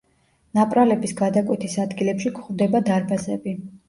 ნაპრალების გადაკვეთის ადგილებში გვხვდება დარბაზები.